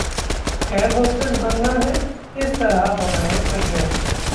Air hostess बनना हैं? इस तरह बनाएं करियर